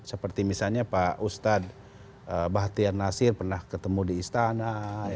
seperti misalnya pak ustadz bahtiar nasir pernah ketemu di istana